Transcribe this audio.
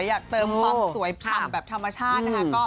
อยากเติมความสวยพร่ำแบบธรรมชาตินะคะ